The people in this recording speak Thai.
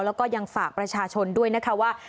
แล้วก็ยังฝากประชาชนด้วยนะคะว่า